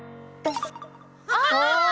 あ！